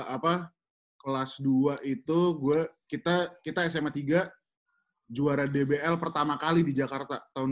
apa kelas dua itu gue kita kita sma tiga juara dbl pertama kali di jakarta tahun dua ribu dua